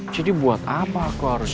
jadi buat apa aku harus